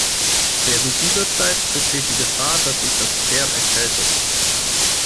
Während dieser Zeit besteht die Gefahr, dass sich das Pferd erkältet.